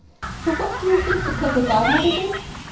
For what do you think the clever godmother did?